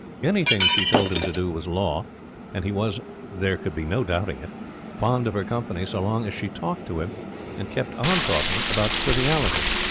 Anything she told him to do was law; and he was, there could be no doubting it, fond of her company so long as she talked to him, and kept on talking about trivialities.